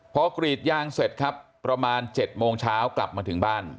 พอกรีดยางเสร็จครับประมาณ๗โมงเช้ากลับมาถึงบ้าน